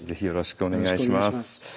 よろしくお願いします。